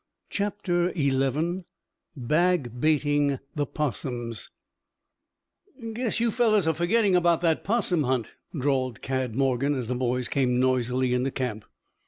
CHAPTER XI BAG BAITING THE 'POSSUMS "Guess you fellows are forgetting about that 'possum hunt?" drawled Cad Morgan as the boys came noisily into camp.